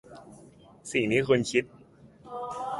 สิ่งที่คุณคิด